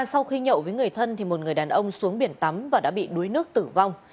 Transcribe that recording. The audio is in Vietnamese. sau khi nhậu với người thân một người đàn ông xuống biển tắm và đã bị đuối nước tử vong